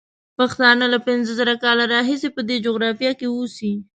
پښتانه له پینځه زره کاله راهیسې په دې جغرافیه کې اوسي.